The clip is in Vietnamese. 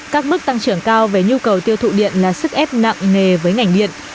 các mức tăng trưởng cao về nhu cầu tiêu thụ điện là sức ép nặng nề với ngành điện